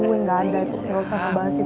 gak usah ngebahas itu bisa gak sih